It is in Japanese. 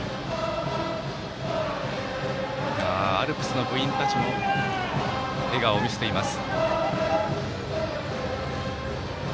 アルプスの部員たちも笑顔を見せています。